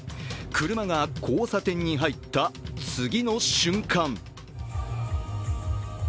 車が交差点に入った次の瞬間